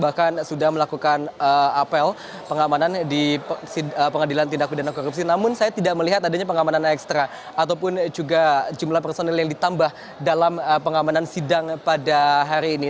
bahkan sudah melakukan apel pengamanan di pengadilan tindak pidana korupsi namun saya tidak melihat adanya pengamanan ekstra ataupun juga jumlah personil yang ditambah dalam pengamanan sidang pada hari ini